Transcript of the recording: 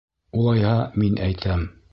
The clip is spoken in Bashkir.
Улайһа, мин әйтәм!